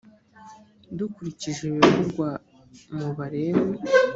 dukurikije ibivugwa mu balewi